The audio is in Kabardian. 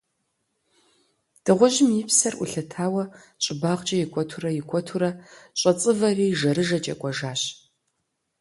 Дыгъужьым и псэр Ӏулъэтауэ, щӀыбагъкӀэ икӀуэтурэ, икӀуэтурэ щӀэцӀывэри жэрыжэкӀэ кӀуэжащ.